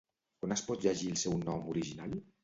On es pot llegir el seu nom original?